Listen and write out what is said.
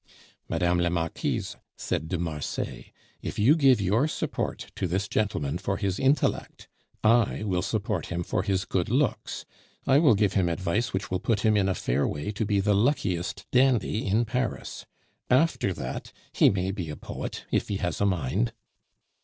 "Mme. la Marquise," said de Marsay, "if you give your support to this gentleman for his intellect, I will support him for his good looks. I will give him advice which will put him in a fair way to be the luckiest dandy in Paris. After that, he may be a poet if he has a mind."